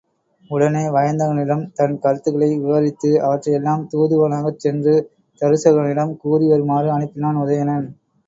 உடனே வயந்தகனிடம் தன் கருத்துக்களை விவரித்து, அவற்றையெல்லாம் தூதுவனாகச் சென்று தருசகனிடம் கூறி வருமாறு அனுப்பினான் உதயணன்.